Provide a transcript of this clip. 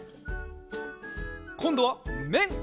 こんどはめん！